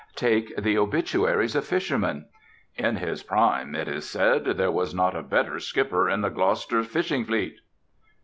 Take the obituaries of fishermen. "In his prime, it is said, there was not a better skipper in the Gloucester fishing fleet."